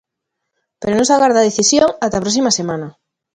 Pero non se agarda a decisión ata a próxima semana.